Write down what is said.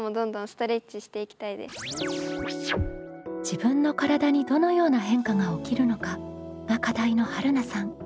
「自分の体にどのような変化が起きるのか」が課題のはるなさん。